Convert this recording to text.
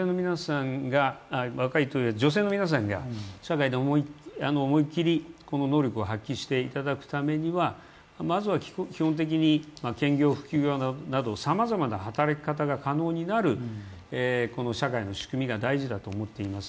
女性の皆さんが社会で思いっきり能力を発揮していただくためにはまずは基本的に兼業、副業などさまざまな働き方が可能になるこの社会の仕組みが大事だと思っています